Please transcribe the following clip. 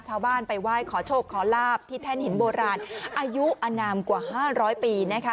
ชาวบ้านไปไหว้ขอโชคขอลาบที่แท่นหินโบราณอายุอนามกว่า๕๐๐ปีนะคะ